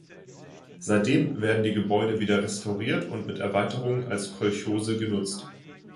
Seitdem werden die Gebäude wieder restauriert und mit Erweiterungen als Kolchose genutzt.